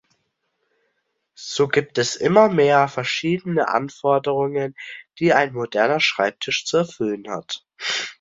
So gibt es immer mehr verschiedene Anforderungen, die ein moderner Schreibtisch zu erfüllen hat.